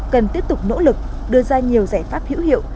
cần tiếp tục nỗ lực đưa ra nhiều giải pháp hữu hiệu